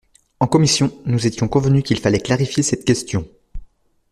En commission, nous étions convenus qu’il fallait clarifier cette question.